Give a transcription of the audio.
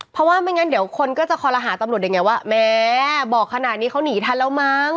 เพราะว่าไม่งั้นเดี๋ยวคนก็จะคอลหาตำรวจได้ไงว่าแม่บอกขนาดนี้เขาหนีทันแล้วมั้ง